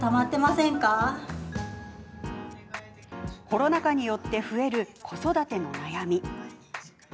コロナ禍によって増える子育ての悩み。